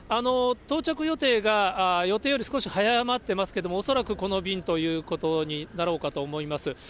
到着予定が予定より少し早まってますけど、恐らくこの便ということになろうかと思います。